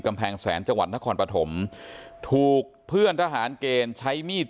กำแพงแสนจังหวัดนครปฐมถูกเพื่อนทหารเกณฑ์ใช้มีด